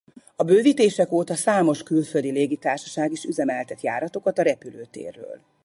A bővítések óta számos külföldi légitársaság is üzemeltet járatokat a repülőtérről.